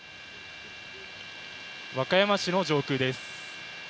和歌山市の上空です。